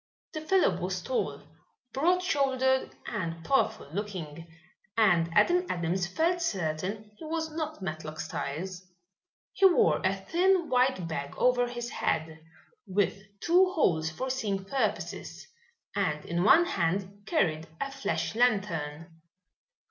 The fellow was tall, broad shouldered and powerful looking, and Adam Adams felt certain he was not Matlock Styles. He wore a thin white bag over his head, with two holes for seeing purposes, and in one hand carried a flash lantern.